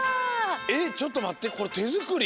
えちょっとまってこれてづくり？